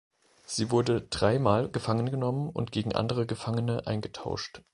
Sie wurde drei mal gefangen genommen und gegen andere Gefangene eingetauscht.